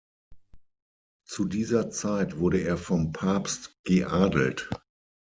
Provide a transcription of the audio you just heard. Zu dieser Zeit wurde er vom Papst geadelt.